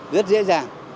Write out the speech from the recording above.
rất dễ dàng